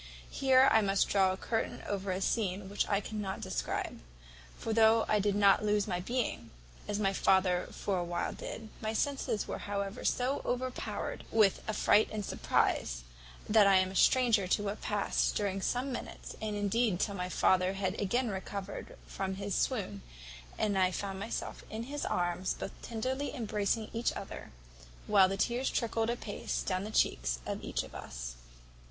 Here I must draw a curtain over a scene which I cannot describe; for though I did not lose my being, as my father for a while did, my senses were however so overpowered with affright and surprize, that I am a stranger to what passed during some minutes, and indeed till my father had again recovered from his swoon, and I found myself in his arms, both tenderly embracing each other, while the tears trickled a pace down the cheeks of each of us.